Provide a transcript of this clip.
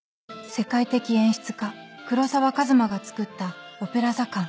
世界的演出家黒沢和馬がつくったオペラ座館